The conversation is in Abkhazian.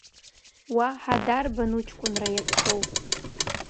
Уаҳа дарбан уҷкәынра иаԥсоу?